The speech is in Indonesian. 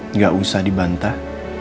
nggak usah dibantah